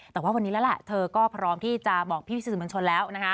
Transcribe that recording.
แต่ว่าวันนี้แล้วล่ะเธอก็พร้อมที่จะบอกพี่พิษสุภิมณ์ชนแล้ว